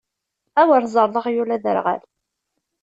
Awer teẓreḍ aɣyul aderɣal!